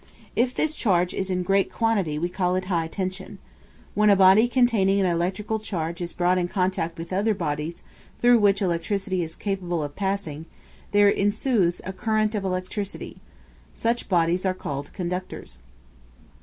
If this charge is in great quantity we call it high tension. When a body containing an electrical charge is brought in contact with other bodies through which electricity is capable of passing, there ensues a current of electricity. Such bodies are called conductors.